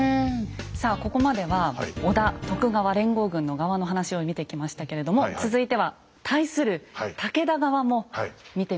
さあここまでは織田・徳川連合軍の側の話を見てきましたけれども続いては対する武田側も見てみましょう。